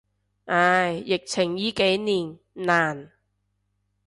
唉，疫情依幾年，難。